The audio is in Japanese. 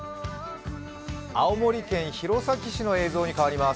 青森県弘前市の映像に変わります。